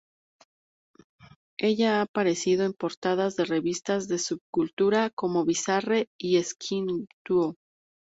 Ella ha aparecido en portadas de revistas de subcultura, como "Bizarre" y "Skin Two".